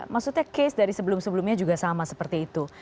maksudnya case dari sebelum sebelumnya juga sama seperti itu